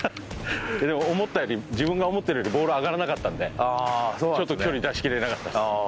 でも思ったより自分が思ってるよりボール上がらなかったのでちょっと距離出しきれなかったです。